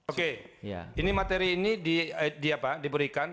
oke ini materi ini diberikan